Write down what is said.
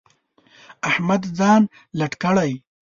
احمد ځان لټ کړی.